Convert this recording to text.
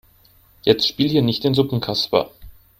Jetzt spiel hier nicht den Suppenkasper.